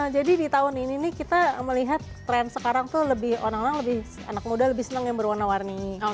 di tahun ini nih kita melihat tren sekarang tuh lebih orang orang lebih anak muda lebih senang yang berwarna warni